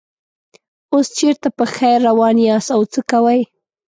اوس چېرته په خیر روان یاست او څه کوئ.